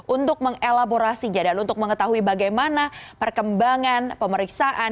untuk mengelaborasinya dan untuk mengetahui bagaimana perkembangan pemeriksaan